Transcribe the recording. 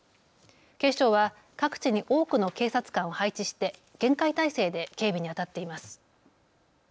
警視庁は各地に多くの警察官を配置して厳戒態勢で警備にあたっています。